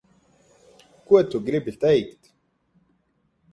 Ko tu gribi teikt?